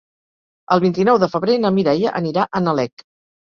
El vint-i-nou de febrer na Mireia anirà a Nalec.